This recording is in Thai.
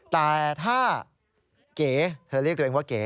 แต่ถ้าเก๋เธอเรียกตัวเองว่าเก๋